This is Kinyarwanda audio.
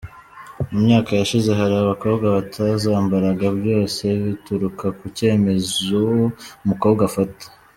Mu myaka yashize hari abakobwa batazambaraga, byose bituruka ku cyemezo umukobwa afata.